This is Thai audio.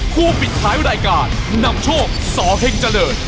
ปิดท้ายรายการนำโชคสเฮงเจริญ